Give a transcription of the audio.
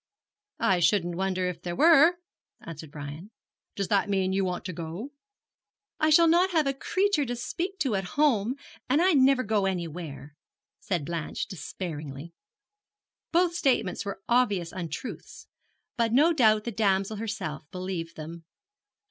'I shouldn't wonder if there were,' answered Brian: 'does that mean that you want to go?' 'I shall not have a creature to speak to at home, and I never go anywhere,' said Blanche, despairingly. Both statements were obvious untruths, but no doubt the damsel herself believed them.